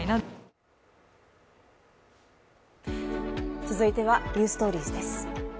続いては「ｎｅｗｓｔｏｒｉｅｓ」です。